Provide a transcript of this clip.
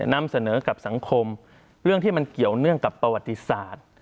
นำเสนอกับสังคมเรื่องที่มันเกี่ยวเนื่องกับประวัติศาสตร์